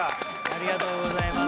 ありがとうございます。